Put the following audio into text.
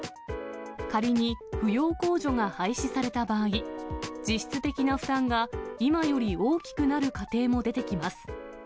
仮に、扶養控除が廃止された場合、実質的な負担が今より大きくなる家庭も出てきます。